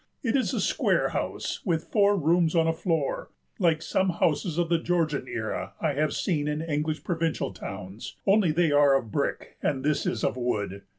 It is a square house, with four rooms on a floor, like some houses of the Georgian era I have seen in English provincial towns, only they are of brick, and this is of wood.